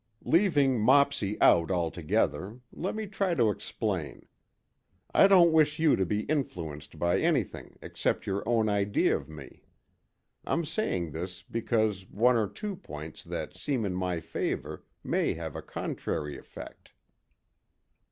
Leaving Mopsy out altogether, let me try to explain I don't wish you to be influenced by anything except your own idea of me. I'm saying this because one or two points that seem in my favour may have a contrary effect."